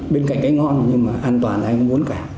bên cạnh cái ngon nhưng mà an toàn ai cũng muốn cả